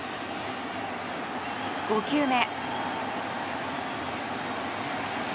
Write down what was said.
５球目。